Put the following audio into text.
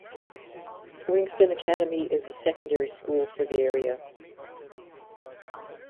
Wigston Academy is the secondary school for the area.